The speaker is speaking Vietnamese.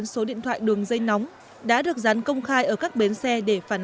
số điện thoại đường dây nóng đã được dán công khai ở các bến xe để phản